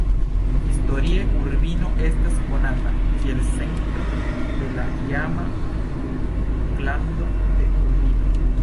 Historie, Urbino estas konata kiel centro de la iama duklando de Urbino.